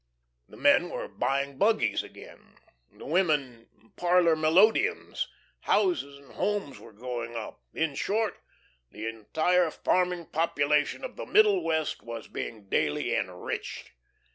The men were buying buggies again, the women parlor melodeons, houses and homes were going up; in short, the entire farming population of the Middle West was being daily enriched.